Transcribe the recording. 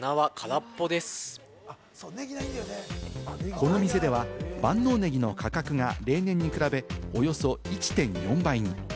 この店では、万能ネギの価格が例年に比べおよそ１．４倍に。